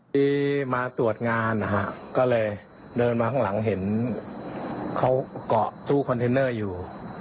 ดีมาตรวจงานนะฮะก็เลยเดินมาข้างหลังเห็นเขาเกาะตู้คอนเทนเนอร์อยู่